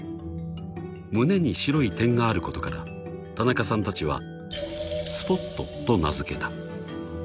［胸に白い点があることから田中さんたちはスポットと名付けた］